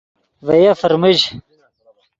ڤے یف فرمژ